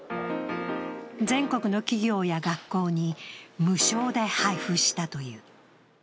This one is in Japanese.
全国の企業や学校に無償で配布したという。